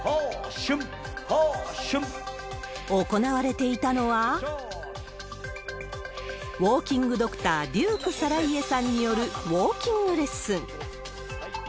行われていたのは、ウォーキングドクター、デューク更家さんによるウォーキングレッスン。